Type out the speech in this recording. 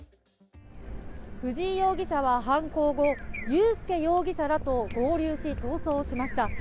藤井容疑者は犯行後優介容疑者らと合流し逃走しました。